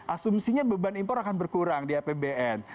asumsinya beban impor akan berkurang di apbn